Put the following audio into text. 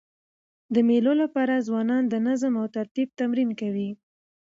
د مېلو له پاره ځوانان د نظم او ترتیب تمرین کوي.